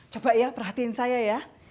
coba ya perhatiin saya ya